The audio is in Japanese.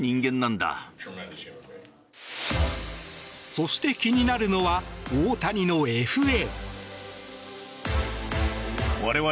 そして、気になるのは大谷のＦＡ。